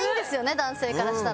男性からしたら。